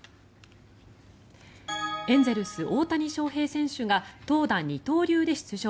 エンゼルス、大谷翔平選手が投打二刀流で出場。